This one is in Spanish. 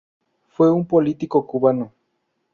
Fue un Político cubano.